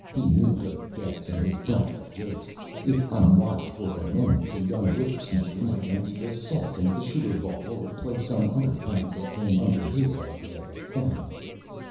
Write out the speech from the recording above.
He knew Billy Getz and his practical jokes. If unwatched for a moment, the young whipper snapper might empty the salt into the sugar bowl, or play some other prank that came under his idea of fun.